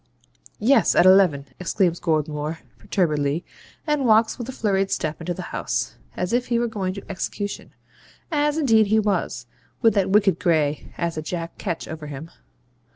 'Yes, at eleven,' exclaims Goldmore, perturbedly, and walks with a flurried step into the house, as if he were going to execution (as indeed he was, with that wicked Gray as a Jack Ketch over him).